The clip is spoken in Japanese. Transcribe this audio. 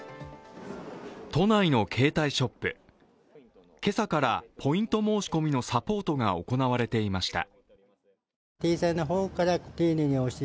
都内の携帯ショップ、今朝からポイント申し込みのサポートが行われていました。